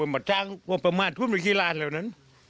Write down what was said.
มันก็ไม่มีขณะอันนี้เกิดไว้